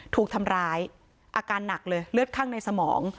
ถูกทำร้ายอาการหนักเลยเลือดข้างในสมอง